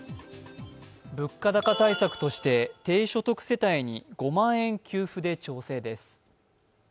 物価高対策として低所得世帯に５万円給付で調整です。